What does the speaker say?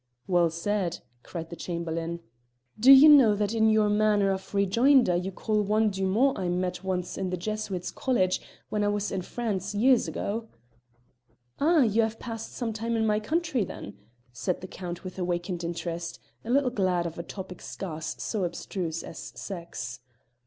"Well said!" cried the Chamberlain. "Do you know that in your manner of rejoinder you recall one Dumont I met once at the Jesuits' College when I was in France years ago?" "Ah, you have passed some time in my country, then?" said the Count with awakened interest, a little glad of a topic scarce so abstruse as sex.